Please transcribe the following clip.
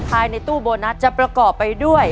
ภายในตู้โบนัสจะประกอบไปด้วย